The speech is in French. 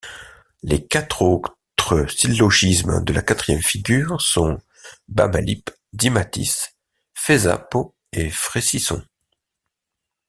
Les quatre autres syllogisme de la quatrième figure sont Bamalip, Dimatis, Fesapo et Fresison.